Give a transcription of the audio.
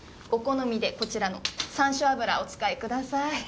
お好みでこちらの山椒油をお使いください。